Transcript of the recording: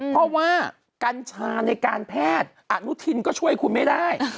เพราะว่ากัญชาในการแพทย์อนุทินก็ช่วยคุณไม่ได้